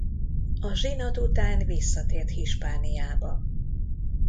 A zsinat után visszatért Hispániába.